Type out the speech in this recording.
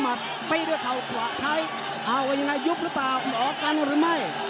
มาติดด้วยเขาขวาช้ายอ้าวยังไงยุบหรือเปล่าออกกันหรือไม่